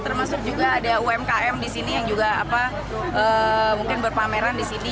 termasuk juga ada umkm di sini yang juga mungkin berpameran di sini